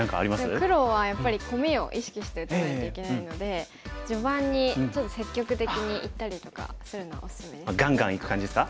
黒はやっぱりコミを意識して打たないといけないので序盤にちょっと積極的にいったりとかするのおすすめですね。